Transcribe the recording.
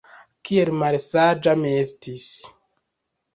Kiel malsaĝa mi estis!